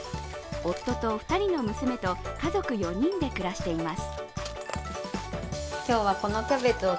夫と２人の娘と家族４人で暮らしています。